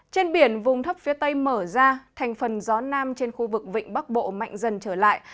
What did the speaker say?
trên biển vùng thấp phía tây mở ra thành phần gió nam trên khu vực vịnh bắc bộ mạnh dần trở lại